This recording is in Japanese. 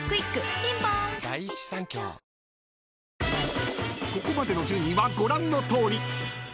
ピンポーン［ここまでの順位はご覧のとおり］